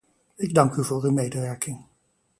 Ik dank u voor uw medewerking.